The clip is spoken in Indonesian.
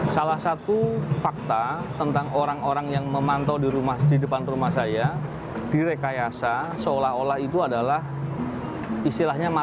salah satu fakta tentang orang orang yang memantau di depan rumah saya direkayasa seolah olah itu adalah istilahnya masalah